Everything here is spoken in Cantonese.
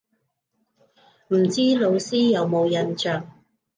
唔知老師有冇印象